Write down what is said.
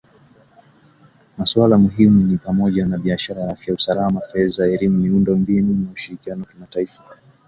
Masuala muhimu ni pamoja na biashara , afya , usalama , fedha , elimu , miundo mbinu na ushirikiano wa kimataifa